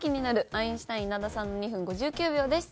アインシュタイン稲田さんの２分５９秒です。